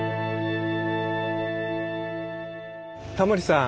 タモリさん。